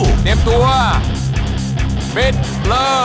เตรียมตัวปิดเลย